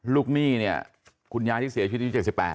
ล้วกหนี้คุณยายที่เสียชีวิตอายุ๗๘ปี